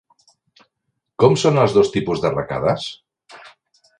Com són els dos tipus d'arracades?